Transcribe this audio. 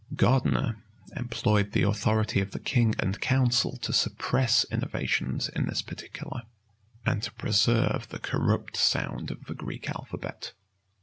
Gardiner employed the authority of the king and council to suppress innovations in this particular, and to preserve the corrupt sound of the Greek alphabet.